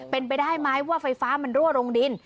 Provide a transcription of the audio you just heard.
เป็นไปได้ไหมว่าไฟฟ้ามันรั่วลงดิน